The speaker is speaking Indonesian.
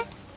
keh gini ya